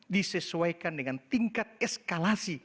disesuaikan dengan tingkat eskalasi